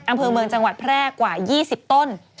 อำเภอเมืองจังหวัดแพร่กว่า๒๐ต้น